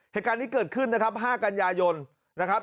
เหตุการณ์นี้เกิดขึ้นนะครับ๕กันยายนนะครับ